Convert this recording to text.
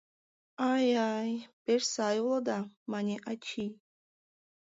— Ай-ай, пеш сай улыда! — мане ачий.